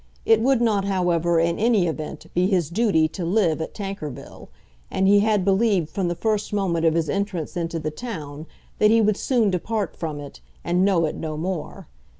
It would not, however, in any event be his duty to live at Tankerville, and he had believed from the first moment of his entrance into the town that he would soon depart from it, and know it no more.